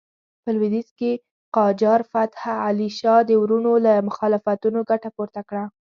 په لوېدیځ کې قاجار فتح علي شاه د وروڼو له مخالفتونو ګټه پورته کړه.